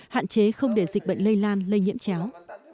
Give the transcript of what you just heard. hạn chế không để dịch bệnh lây lan lây nhiễm chéo